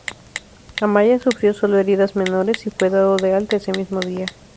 Amaya sufrió sólo heridas menores, y fue dado de alta ese mismo día.